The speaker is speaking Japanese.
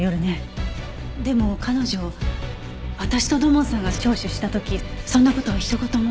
でも彼女私と土門さんが聴取した時そんな事はひと言も。